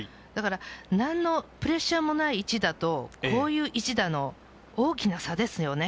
何のプレッシャーもない位置だとこういう一打の大きな差。